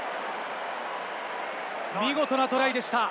見事なトライでした。